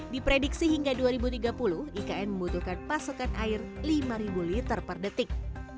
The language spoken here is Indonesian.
diprediksi hingga dua ribu tiga puluh ikn membutuhkan pasokan air lima liter per detik